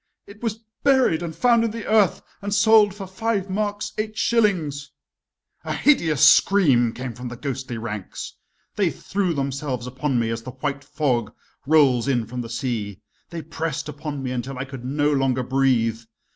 "It was buried and found in the earth and sold for five marks eight shillings " A hideous scream came from the ghostly ranks. They threw themselves upon me as the white fog rolls in from the sea, they pressed upon me until I could no longer breathe.